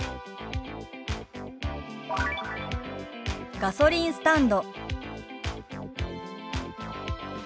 「ガソリンスタンド」。